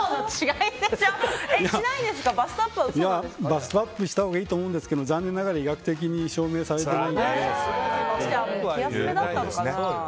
バストアップしたほうがいいと思うんですが残念ながら医学的に証明されてないです。